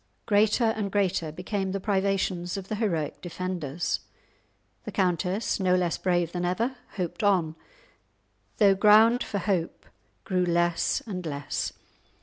Greater and greater became the privations of the heroic defenders. The countess, no less brave than ever, hoped on, though ground for hope grew less and less.